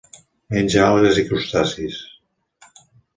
Menja algues i crustacis.